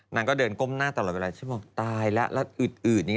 นางก็เดินก้มหน้าตลอดเวลาฉันบอกตายแล้วแล้วอืดอย่างนี้